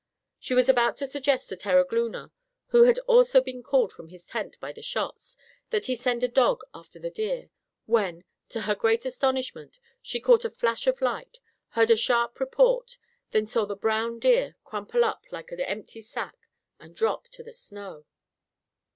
She was about to suggest to Terogloona, who had also been called from his tent by the shots, that he send a dog after the deer, when, to her great astonishment, she caught a flash of light, heard a sharp report, then saw the brown deer crumple up like an empty sack and drop to the snow.